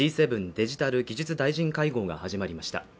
デジタル技術大臣会合が始まりました。